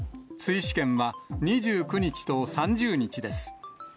追試験は２９日と３０日です。